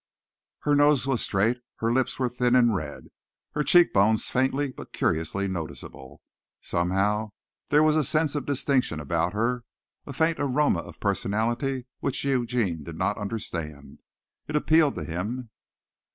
Her nose was straight, her lips were thin and red, her cheek bones faintly but curiously noticeable. Somehow there was a sense of distinction about her a faint aroma of personality which Eugene did not understand. It appealed to him.